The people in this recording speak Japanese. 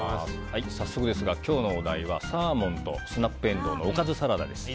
今日のお題はサーモンとスナップエンドウのおかずサラダです。